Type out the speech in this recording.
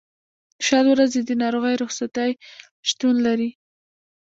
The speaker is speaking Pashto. شل ورځې د ناروغۍ رخصتۍ شتون لري.